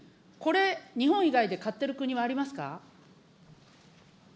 これ、日本以外で買ってる国はありますか。